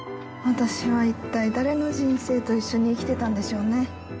私は一体誰の人生と一緒に生きてたんでしょうね。